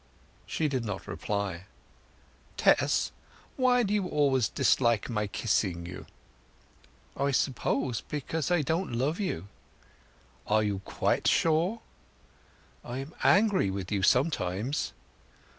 She did not reply. "Tess, why do you always dislike my kissing you?" "I suppose—because I don't love you." "You are quite sure?" "I am angry with you sometimes!"